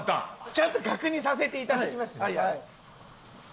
ちょっと確認させていただきますね。